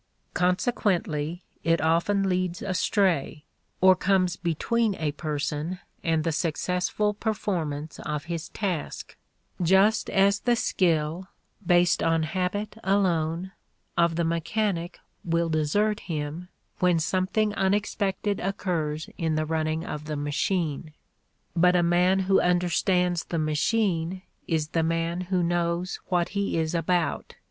Consequently it often leads astray, or comes between a person and the successful performance of his task, just as the skill, based on habit alone, of the mechanic will desert him when something unexpected occurs in the running of the machine. But a man who understands the machine is the man who knows what he is about.